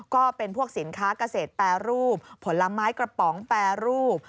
ก็เป็นพวกสินค้าเกษตรแปรรูปผลไม้กระป๋องแปรรูป